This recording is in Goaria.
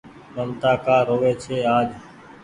ممتآ ڪآ رو آج